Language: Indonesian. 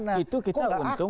nah itu kita untung